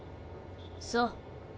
そう。